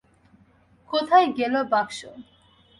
কোথায় গেল বাক্স?